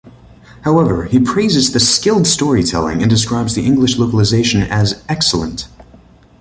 However, he praises the "skilled storytelling" and describes the English localisation as "excellent".